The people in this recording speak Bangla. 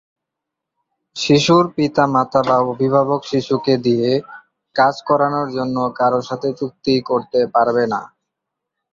শিশুর পিতা মাতা বা অভিভাবক শিশুকে দিয়ে কাজ করানোর জন্য কারো সাথে চুক্তি করতে পারবে না।